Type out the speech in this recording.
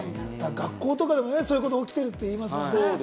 学校とかでもそんなこと起きてるって言いますもんね。